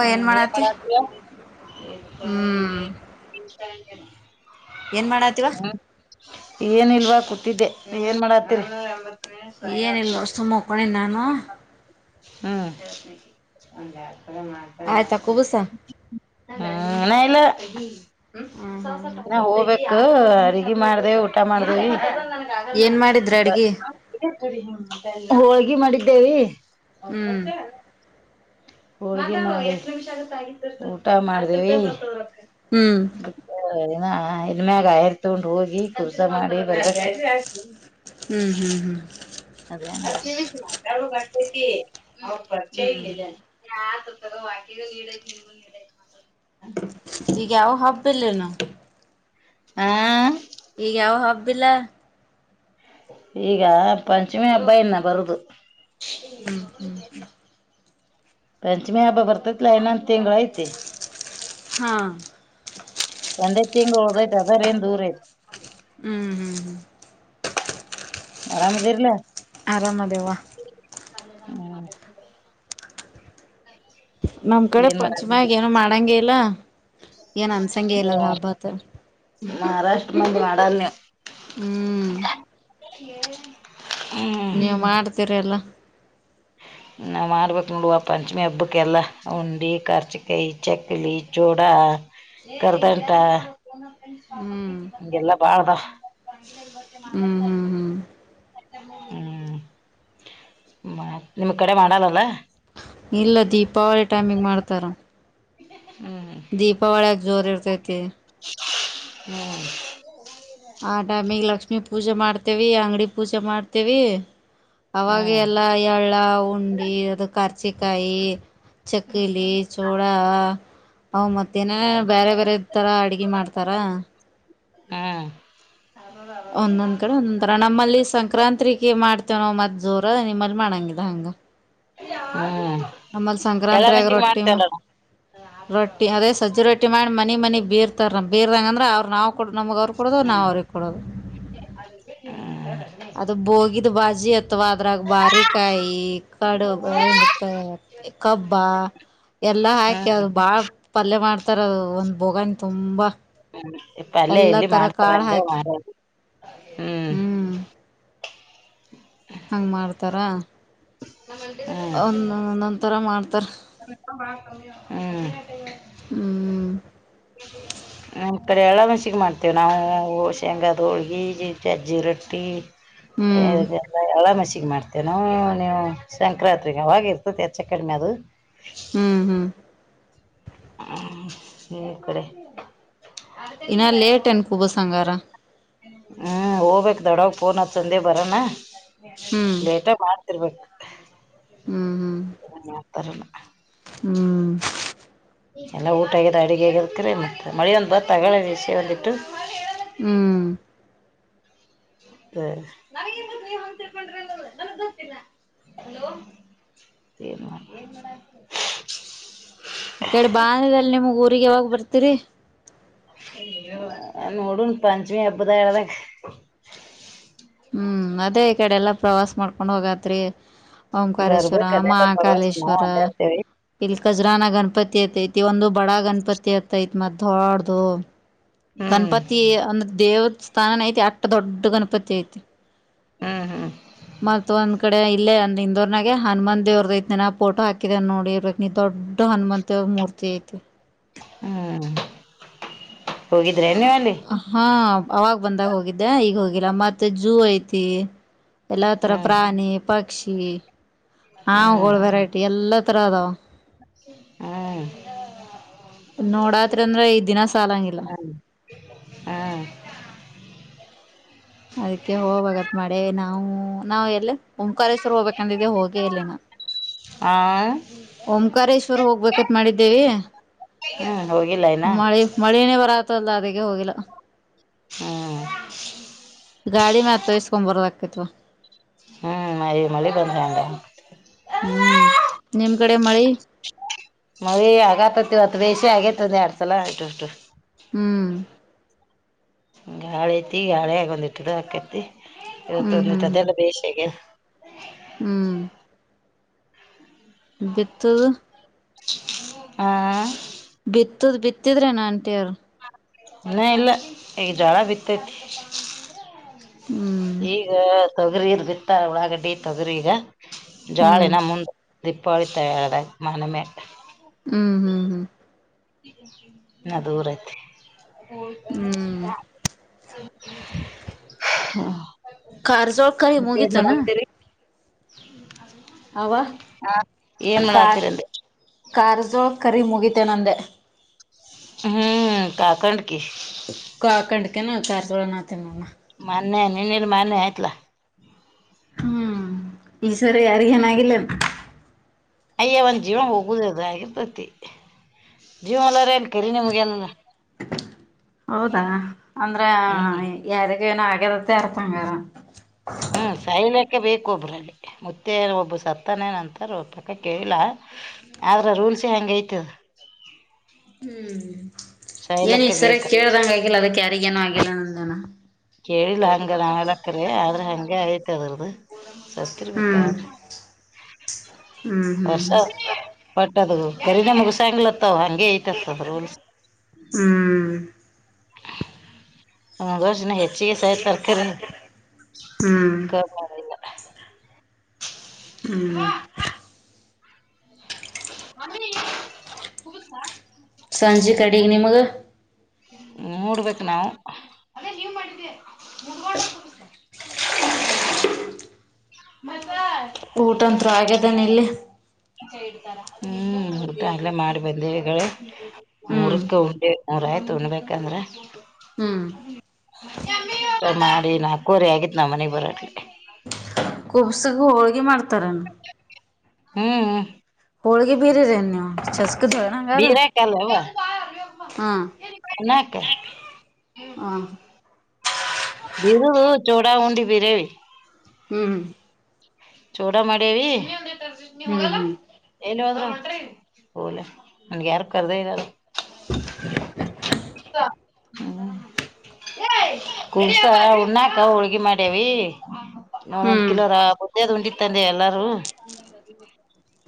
ಹ್ಮ್ ಏನ್ ಮಾಡತಿ. ಹ್ಮ್ [inaudible] ಏನ್ ಮಾಡಾತೀವಾ. ಏನಿಲ್ವಾ ಕೂತಿದ್ದೆ ಏನ್ ಮಾಡತ್ತೀರಿ. ಏನಿಲ್ಲ ನೋಡ ಸುಮ್ಮ ಮಕ್ಕೊಂಡೇನ ನಾನು. ಹ್ಮ್. [unintelligible] ಆಯ್ತಾ ಕುಬುಸ ಇನ್ ಇಲ್ಲ. ಹ್ಮ್ ಹ್ಮ್ ಹ್ಮ್ ನಾ ಹೋಗ್ಬೇಕು ಅಗಿ ಮಾಡ್ದೇ ಊಟ ಮಾಡ್ದೇವಿ. ಏನ್ ಮಾಡಿದ್ರ ಅಡ್ಗಿ [unintelligible] ಹೊಳ್ಗಿ ಮಾಡಿದ್ದೇವಿ. ಹ್ಮ್ [unintelligible] ಹ ಊಟ ಮಾಡ್ದೇವೆ ಹ್ಮ್ ಏ ಇನ್ಮ್ಗ ಆಯರ್ ತಗೊಂಡ್ ಹೋಗಿ ಕರ್ಸ ಮಾಡಿ ಬರ್ಬೇಕ ಹ್ಮ್ ಹ್ಮ್ ಹ್ಮ್ ಅ ಮಾತ ಕ ಅವರ್ಚೆ ಹ್ಮ್ ಇ ವಾನೀಡ ನೀ ನೀಡ ಗವು ಹಬ್ಬಲ್ಲನು ಹಾ ಈಗ ಯಾವ ಹಬ್ಬಿಲ್ಲ ಈಗ ಪಂಚಮಿ ಅಬ್ಬಾಯನ್ನ ಬರುದು ಹ್ಮ್ ಪಂಚಮಿ ಹಬ್ಬ ಬರ್ತೈತ್ಲ ಏನ ತಿಂಗಳ ಐತೆ ಹಾ ಒಂದೈ ತಿಂಗಳು ಒಓದೈತ ಅದ್ರ ಏನ್ ದೂರ ಐ್ತ ಹ್ಮ್ ಹ್ಮ್ ಹ್ಮ್ ಆರಾಮದಿರಲ ಆರಾಮ ದೇವಾ ಹ್ಮ ನಮ್ ಕಡೆ ಪಂಚಮಗ ಏನು ಮಾಡಂಗಗೆ ಇಲ್ಲ ಏನ್ ಅನ್ಸಂಗ ಇಲ್ಲದ ಹಬ್ಬತ್ ಮಹಾರಾಷ್ಟ್ರ ಮಂದ್ ಮಾಡಲ್ ನೀವು ಹ್ಮ್ ಹ್ಮ ನೀವುಮಾಡ್ತೀರಿ ಎಲ್ಲ ನಾವು ಮಾಡ್ಬೇಕು ನೋಡ ಆ ಪಂಚಮಿ ಹಬ್ಬಕ್ಕೆಲ್ಲ ಉಂಡೆ ಕರ್ಚಿಕಾಯಿ ಚಕ್ಕಲಿ ಚೂಡ ಕರ್ದಟ ಹ್ಮ್ ಹಗೆಲ್ಲಾ ಬಾಳ್ದ ಹ್ಮ್ ಹ್ಮ್ ಹ್ಮ್ ಹ್ಮ್ ನಿಮ್ ಕಡೆ ಮಾಡಲ್ಲಲ್ಲ ಇಲ್ಲ ದೀಪಾವಳಿ ಟೈಮಿಂಗ ಮಾಡ್ತಾರ ಹ್ಮ್ ದೀಪಾವಳಿಯಾಗ ಜೋರ್ ಇರ್ತೈತಿ ಹ್ಮ್ ಆ ಟೈಮಿಗೆ ಲಕ್ಷ್ಮಿ ಪೂಜೆ ಮಾಡ್ತೇವಿ ಅಂಗಡಿ ಪೂಜೆ ಮಾಡ್ತೇವಿ ಅವಾಗ ಹ್ಮ್ ಎಲ್ಲ ಎಳ್ಳ ಉಂಡಿ ಅದು ರ್ಚಿಕಾಯಿ ಚಕ್ಕಲಿ ಚೂಡಾ ಹ್ ಮತ್ತೇನ ಬೇರೆ ಬೇರೆ ತರ ಅಡ್ಗೆ ಮಾಡ್ತಾರ ಹಾ ಒಂದೊಂದ್ ಕಡೆ ಒಂದೊಂದರ ನಮ್ಮಲ್ಲಿ ಸಂಕ್ರಾಂತ ಮಾಡ್ ಇ ನ್ ಮತ್ ಜೋರ ನಿಮ್ಮಲ್ಲಿ ಮಾಡಂಗಿದ ಹಂಗ ಹ ನಮಲ್ ಸಂಕ್ರಾಂತರಗ ರೊಟ್ಟಿ ರೊಟ್ಟಿ ಅದೇ ಸಜ್ಜಿ ರೊಟ್ಟಿ ಮಾಡಿ ಮ ಮನ ಮನೆ ಬೀರ್ತಾರ ಬರ್ಂಗಂದ್ರ ಅವ್ರ ನಾವು ಕೊಡ ಹ್ಮ್ ಅದ ಬೋಗಿದ ಬಾಜಿ ಅತ್ವಾ ಅದ್ರಾಗ ಬಾರಿಕಾಯಿ ಕಡು ಕಬ್ಬ ಎಲ್ಲಾ ಹ್ಮ್ ಹಾಕಿದು ಬಾಳ ಪಲ್ಯ ಮಾಡ್ತಾರ ಒಂದ್ ಬೋಗಾನಿ ತುಂಬಾ ಇಪ್ಪ ಅಲ್ಲೇ ಎಲ್ಲಿ ಮಾಡ್ತಾರ ಅ ಹಾಕಿ ಮಾಡ ಹ್ಮ್ ಹ್ಞೂ ಹ್ಮ ಹಂಗೆ [inaudible] ಹ್ಮ್ ಒ ನಂತರ ಮಾಡ್ತ ಹ್ಮ್ ಹ್ಞೂ ಹ ಕರಿಯಳ ಮೆಸಿಗೆ ಮಾಡ್ತೇವೆ ನಾವು ಶೇಂಗಾದ ಹೋಳ್ಗೆ ಚಜ್ಜಿ ರೊಟ್ಟಿ ಹ್ಞೂ ಹಲ್ಲ ಎಳ ಮಸ ಈಗ್ ಮಾಡ್ತೇನೋ ನೀವು ಸಂಕ್ರಾಂತ್ರಿಗ ಅವಾಗ ಇರ್ತತ ಹೆಚ್ಚ ಕಡಿಮೆ ಅದು. ಹ್ಮ್ ಹ್ಮ್ ಹ್ಮ ಈ ಕಡೆ. ಹಿನಾ ಲೆಟೆನ್ ಕುಬಸ ಹಂಗಾರ. ಹ್ಮ್ ಹೋಗ್ಬೇಕ್ ದೊಡ್ಡವಾಗ ಫೋನ್ ಹಚ್ಚ ಅಂದೆ ಬರಾನ. ಹ್ಞೂ ಲೇಟ ಆಗ ಮಾಡ್ತಿರ್ಬೇಕ ಎನ್ ಮಾಡ್ತಾರೋ. ಹ್ಮ್ ಎಲ್ಲ ಊಟ ಆಗ್ಯದ ಅಡಗಿ ಆಗ್ಯದ ಕರೆ ಮತ್ತ ಮಳಿ ಒಂದ್ ಬತ್ತ ಅಗಳೆ ಇಸ್ಯಾ ಒಂದಿಟ್ಟು. ಹ್ಮ್ ಗ ನನಿಗ ಎನ್ ಗೊತ್ ನೀವ್ ಹಂಗ ತಿಳಕೊಂಡ್ರಿ ಅನದ ನನಗ್ ಗೊತ್ತಿಲ್ಲ. ಹಲೋ ಏನವ ಎನ್ ಮಾಡಾತಿರಿ. ಈ ಕಡ ಬಾ ಅಂದಿದಲ ನಿಮೂಗ್ ಊರಿಗ ಯಾವಾಗ ಬರ್ತೀರಿ. ಐ ಯವ್ವ ನೋಡುಣು ಪಂಚಮೀ ಹಬ್ಬದ ಯಾವ್ದಕ್. ಹ್ಮ್ ಅದೇ ಈ ಕಡ ಎಲ್ಲಾ ಪ್ರವಾಸ ಮಾಡ್ಕೊಂಡ್ ಹೋಗತ್ರಿ. ಓಂಕಾರೇಶ್ವರ ಬರ್ಬೇಕು ಅದೆಲ್ಲ ಪ್ರವಾಸ ನಾವು ಮಹಾಕಾಲೇಶ್ವರ ಅಡ್ಡಾಡ್ತೇವಿ ಇಲ್ ಕಜಾರ್ನಾಗ್ ಗಣಪತಿ. ತಿ ಅತ್ತ ಐತಿ ಒಂದು ಬಡ ಗಣಪತಿ ಆತ್ತೈತಿ ಮತ್ತ್ ಡೋಡ್ದು. ಹ್ಮ್ ಗಣಪತಿ ಅಂದ್ರ ದೇವ ಸ್ಥಾನನ ಐತಿ ಅಟ್ಟ ದೊಡ್ಡ ಗಣಪತಿ ಐತಿ. ಹ್ಮ್ ಹ್ಮ್ ಮತ್ ಒಂದ್ ಕಡ್ ಅ ಇಲ್ಲೇಂದ ಇಂದೋರ್ನಾಗೆ ಹನುಮಂದ ದೇವ್ರದ ಐತೆ ನ ಫೋಟೋ ಹಾಕಿದ್ಯಾ ನೋಡಿ ಇರ್ಬೇಕ್ ನೀ ದೊಡ್ಡ ಹನುಮಂತ ದೇವ್ರ ಮೂರ್ತಿ ಐತಿ. ಹ್ಮ್ ಹೋಗಿದ್ರೆ ನೀವಲ್ಲಿ. ಅವಾಗ್ ಬಂದಾಗ ಹೋಗಿದ್ದ ಈಗ ಹೋಗಿಲ್ಲ ಮತ್ತ ಜೂ ಐತಿ. ಎಲ್ಲ ತರ ಹ್ಮ್ ಪ್ರಾಣಿ ಪಕ್ಷಿ ಹಾವಗೋಳ ವೆರೈಟಿ ಎಲ್ಲ ತರ ಅದಾವ. ಹಾ ನೋಡಾತ್ರಿ ಅಂದ್ರ ಈ ದಿನ ಸಾಲಂಗಿಲ್ಲ [unintelligible] ಹಾ ಹಾ ಅದಕ್ಕೆ ಹೋಬೆಕ್ ಅತ್ತ ಮಾಡಿವಿ ನಾವು ನಾವ್ ಎಲ್ಲ. ಓಂಕಾರೇಶ್ವರ ಹೋಗ್ಬೇಕ ಅಂದಿದೇವು ಹೋಗೆ ಇಲ್ಲ ಹಿನಾ. ಆ ಓಂಕಾರೇಶ್ವರ್ ಹೋಗ್ಬೇಕತ್ ಮಾಡಿದ್ದೇವಿ. ಹ್ಮ್ ಹೋಗಿಲ್ಲ ಇನ್ನ ಮಳಿ ಮಳಿನೆ ಬರಾತದ್ಲ ಅದೀಕ್ಕೆ ಹೋಗಿಲ್ಲ. ಹ್ಮ್ ಐತ್ ವಾ ಹ್ಮ್ ಮಳಿ ಮಳಿ ಬಂದ್ರ ಹ್ಯಾಂಗ ಹ್ಮ್ ನಿಮ್ ಕಡೆ ಮಳಿ. ಮಳಿ ಆಗತೈತಿ ಇವತ್ತ್ ಬೇಷಿ ಆಗೈತಿ ಒಂದ್ ಎರಡ್ ಸಲ ಇಷ್ಟು ಇಷ್ಟು. ಹ್ಮ್ ಹ್ಮ್ ಗಾಳಿ ಐತಿ ಗಾಳ್ಯಗ ಒಂದ ಇಟ್ಟು ಇದು ಅಕೈತಿ ಇವತ್ತ ಹ್ಮ್ ಒಂದದೀಟ್ಟ ಹ್ಮ್ ಅದೆಲ್ಲ ಬೇಷ ಆಗ್ಯದ. ಹ್ಮ್ ಬಿತ್ತುದು. ಹಾ ಬಿತ್ತುದು ಬಿತ್ತಿದ್ರೇನಾ ಆಂಟಿಯರ್. ಹಿನಾ ಇಲ್ಲ ಈಗ ಜ್ವಾಳ ಬಿತೈತಿ. ಹ್ಮ್ ಈಗ ತೊಗರಿದ್ ಬಿತ್ತ ಊಳಾಗಡ್ಡಿ ತೊಗರಿ ಈಗ ಜ್ವಾಳ ಹ್ಮ್ ಹಿನಾ ಮುಂದ. ದೀಪಾವಳಿ ತಯಳದಾಗ್ ಮಾನಮ್ಯಾಗ್. ಹ್ಮ್ ಹ್ಮ್ ಹ್ಮ್ ಹಿನಾ ದೂರ್ ಐತಿ. ಹ್ಮ್ [unintelligible] ಹಾ ಕಾರಜೋಳಕೈ ಮುಗಿತೆನ. ಹ್ಮ ಅವಾ ಏನ್ ಕಾರ್ ಮಾಡತ್ತೀರಿ ಅಂದೆ ಕಾರಜೋಳಕರಿ ಮುಗಿತ್. ತೆ ನಂದೇ. ಹ್ಮ್ ಕಾಕಂಡ್ಕಿ ಕ ಕಂಡಕನುಚಾರಳ ನಾ ತಿನ್ನ ಮಾನ್ಯಯ ನೀ ನಿರ್ ಮಾನ್ಯ ಆಯತ್ಲ ಹ್ಮ್ ಈಶ್ವರ ಯಾರ ಏನ ಆಗಿಲ್ಲ ಅಯ್ಯ ಒಂದ್ ಜೀವನನ್ ಹೋಗುದ ಅದು ಪ್ರತಿ ಜೀವ ಎಲ್ಲ ಹೌದಾ ಅಂದ್ರ ಹ್ಮ್ ಯಾರ ನ ಆಗದ್ದ ಇರತಂಗಾರ ಹ್ಮ್ ಸಾಯಲ ಪಕ್ಕ ಬೇಕ ಒಬರಲ್ಲಿ ಮುತ್ತೆ ಒಬ್ ಸತ್ತನೇನಂತಾರ ಪಕ್ಕ ಕೇಲ್ಲ ಆದ್ರ ಸ ಹೆಂಗ ಯತದ [inaudible] ಹ್ಮ್ ಏನ ಸಾಯ್ಲಕ್ಕ ಈ ಸರಿ ಬೇಕ ಕೇಳ್ದಂಗ ಆಗಿಲ್ಲ ಅದಕ್ಕೆ ಯಾರಿಗೇನು ಆಗಿಲ್ಲ ನೇನ ಕೇಳಿಲ್ಲ ಹಂಗ ನಲಕ್ಕ್ರ ಆದ್ರೆ ಹಗೆ ಆಐತ ಅದ್ರದ್ದ ಸತ್ರಿ ಮಕ್ಕ ಹ್ಮ್ ಹ್ಮ್ ವರ್ಷ ಹ್ಮ್ ಪಟ್ಟದು ಬರಿ ನ ಮಗ ಸಾಂಗ್ಲತ್ತ ಅವ ಹಂಗಗೆ ಐತತ್ ರೋಲ್ಸ್ ಹ್ಮ್ ಹಂಗರ್ನ ಹೆಚ್ಚಿಗೆ ಸಹ ತರ್ಕರಿ ಹ್ಮ್ ಹ್ಮ್ ಹ್ಮ್ ಅ ಹಗಾ ಸಂಜೆ ಕಡಿಗೆ ನಿಮಗೆ ಮೂರು ಬತ್ ನವು ಮತ್ತ ಊಟಂರು ಆಗ್ಯದನ ಇಲ್ಲಿ ಹ್ಮ್ ಉಡ್ ಅಲ್ಲ ಮಾಡಿ ಬಂದೇವಿ ಹ್ಮ್ ಮೂರಕ್ಕ ಉಂಡೆ ಮೂರ ಆಯ್ತು ಉನ್ಬೇಕಂದ್ರ ಹ್ಮ್ ಮಾಡಿ ನಾಲ್ಕುವರೆ ಆಗಿತ್ ನ ಮನೆಗ್ ಬರೋಟೆ ಕುಬ್ಸಗ ಹೋಳ್ಗೆ ಮಾಡ್ತಾರನು ಹ್ಮ್ ಬೀರಿರೇನ್ ನೀವು ಚಸ್ಕದಳನ ಹಂಗಾರ ಬಿರಕಲ್ಲವಾ ಹಾ ನಕ ಹ್ಮ್ ಬರು ಚೂಡ ಹಂಡ ಬಿರೆವಿ ಹ್ಮ್ ಚೋಡ ಮಾಡೆವಿ ಹ್ಮ್ ಹ್ಮ್ ಹಲ ಯಾರು ಕದ ನಲ್ಲ [inaudible] ಹ್ಮ ಕುಲ್ಸ ಉಣ್ಣಾಕ ಹುಳ್ಗಿ ಮಾಡ್ಯವಿ ನಾ ಒಂದ್ ಹ್ಮ್ ಕಿಲೋರ ಬದ್ದದ್ ಉಂಂಡಿತ್ತಂದೆ ಎಲ್ಲಾರೂ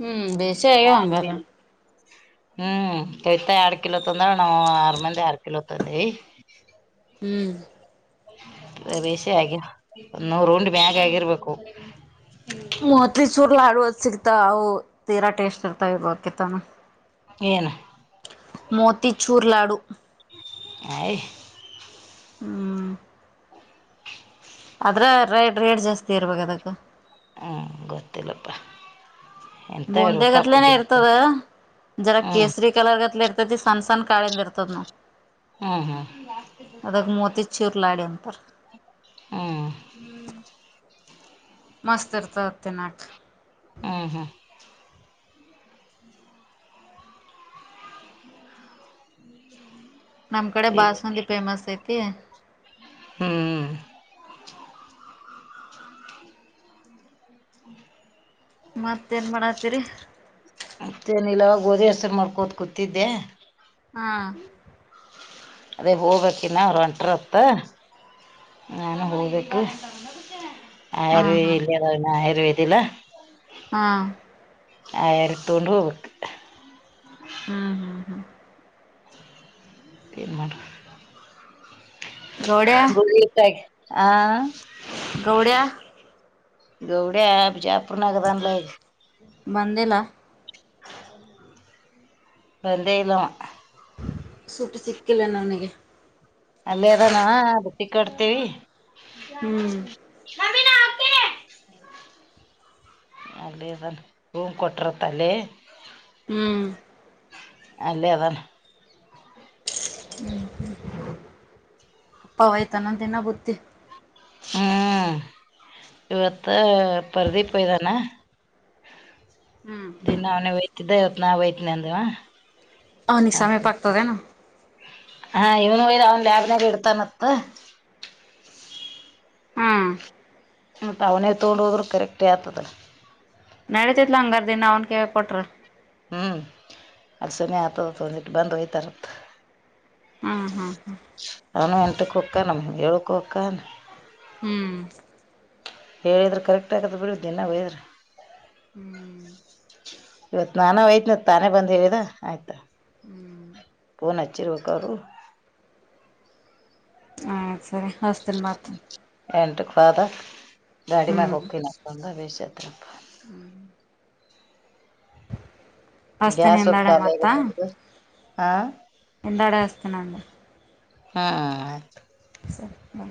ಹ್ಮ್ ಬಸ ಆಗ ಹಂಗಾರ ಹ್ಮ್ ಕಯ್ತ ಎರಡ್ ಕಿಲೋ ತಂದ್ರ ನಾವು ಆರ್ ಮಂದಿ ಎರಡ್ ಕಿಲೋ ತಂದವಿ ಹ್ಮ್ ಬೇಸಿ ಆಗಿ ನೂರ್ ರೌಂಡ ಮ್ಯಾಗ ಆಗಿರ್ಬೇಕು ಮತ್ ಚೂರ್ಲಾಡುವದ ಸಿಗ್ತ ಅವು ತೀರಾ ಟೇಸ್ಟ್ ಇರ್ತ ಇವಕತ್ತಾನ ಏನ್ ಮೋತಿ ಚೂರ್ಲಾಡು ಹ ಹ್ಮ್ ಆದದ್ರ ರೇ ರೇಟ್ ಜಾಸ್ತಿ ಇರ್ಬೇಕ ಅದಕ್ಕ ಹ್ಮ್ ಗೊತ್ತಲ್ಲಪ್ಪಾ ಬೂಂದೆ ಗತ್ಲೆನೆ ಇರ್ತದ ಜರ ಹ್ಮ್ ಕೇಸರಿ ಕಲರ್ ಗತ್ಲೆ ಇರ್ತ ತಿ ಸನ್ಸನ್ ಕಾಳಿ ನಿರ್ತು ಹ್ಮ್ ಹ್ಮ್ ಅದಾಗ ಮೋತಿ ಚಿರಲ ಆಡಿ ಒಂತ ಹ್ಮ್ ಮಸ್ತ್ ಇರ್ತ ತಿೆಿನಾಕ ಹ್ಮ್ ಹ್ಮ್ ನಮ್ ಕಡೆ ಬಾಸನಲಿ ಫೇಮಸ್ ಐತಿ ಹ್ಮ್ ಮತ್ತೇನ್ ಮಾಡತ್ತೀರಿ ಇಲ್ಲಾಗ ಗೋಧಿ ಹೆಸರು ಮಾಡ್ಕೋತ ಕೂತಿದ್ದೆ ಹಾ ಅದೇ ಹೋಗ್ಬೇಕ ಇನ್ನ ಅವ್ರ ಒಂಟ್ರ ಹೊತ್ತ ನಾನ ಬೆಳಬೇಕು ಹಾ ಹಾ ಆಯುರ್ವೇದಿ ಇಲ್ಲ ಆಯುರ್ವೇದಿ ಇಲ್ಲಾ ಹಾ ಆಯರ ತೊೊಂಡೂ ಬಕ್ ಹ್ಮ್ ಹ್ಮ್ ಹ್ಮ್ ತಿ ಮಾಡ ಗೌಡ್ಯ ಗಿ ಇತ ಆ ಗೌಡ್ಯಾ ಗೌಡ್ಯಾ ಬಿಜಾಪುರದಾಗ ಅದನ ಈಗ ಬಂದಿಲ್ಲ ಬಂದೇ ಇಲ್ಲವಾ ಸುಟ್ಟು ಸಿಕ್ಕಿಲ್ಲ ನನಗೆ ಅಲ್ಲೇ ಅದಾನ ಅವಾ ಬುತ್ತಿ ಕಟ್ತೀವಿ ಹ್ಮ್ ಅಲ್ಲಿ ರುಮ ಕೊಟ್ಟಿರುತ್ತ ಅಲ್ಲಿ ಹ್ಮ್ ಅಲ್ಲೇ ಅದಾನ ಹ್ಮ್ ಅಪ್ಪವಯ್ತಾನಂದನ ಗತ್ತಿ ಹ್ಮ್ ಇವತ್ತು ಪರಧಿಪ ಒಯ್ದಾನ ಹ್ಮ್ ದಿನ ಅವನ ಯ್ತಿದ್ದ ಇವತ್ ನಾವ ಯ್ತನ ಅಂದವ ಹನಶೆ ಪಕ್ಕತದೆನು ಹಾ ಇವನ್ ಹಯದ ಅವನ್ ಲ್ಯಾಬ್ನಾಗ ಇಡ್ತ ಮತ್ತ ಹ್ಮ್ ಮತ್ ಅವನೇ ತಗೊಂಡು ಹೋದ್ರು ಕರೆಕ್ಟೇ ಆಗ್ತದೆ ನಡತಿತ್ಲ ಹಂಗಾರ ದನ್ ಅವನ್ ಕೇಳ ಕೊಟ್ರ ಹ್ಮ್ ಅಲ್ಸನನೆ ಆಗ್ತದ ಒಂದಿಟ್ಟು ಬಂದು ಒಯ್ತಾರತ್ ಹ್ಮ್ ಹ್ಮ್ ಅವಾನ ಎಂಟು ಹೋಕಾ ನ ಏಳುಕ ಹೋಕ್ಕಾನ ಹ್ಮ್ ಹೇಳಿದ್ರೆ ಕರೆಕ್ಟ್ ಆಗತ್ ಬಿಡ ದಿನ ಒಂದಯಿದ್ರೆ ಹ್ಮ್ ಇವತ್ ನಾನ ಯ್ತ್ನ ತಾನೇ ಬಂದ ಹೇಳಿದ ಆಯ್ತಾ ಹ್ಮ್ ಫೋನ್ ಹಚ್ಚಿರು ಬೇಕವರುವ ಆಯ್ತ್ ಸರಿ ಹಸ್ತನ್ ಮಾತ ಎಂಟುಕ್ದ ಗಾಡಿ ಮಾಡ ಹೋಗಕ್ಕಿ ನಂದ ಬೆಷ ಆತಳ ಹ್ಮ್ ಹಸ್ತೇನಿ ಗ್ಯಾಸ ಒಂದು ಹಿಂದಾಡೆ ಮತ್ತ ಖಾಲಿಯಾಗಿತತ್ ಹಿಂದಾಡೆ ಹಸ್ತೇನಿ ಅಂದೆ ಹ್ಮ್ ಸರಿ ಹಾ